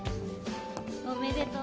おめでとう。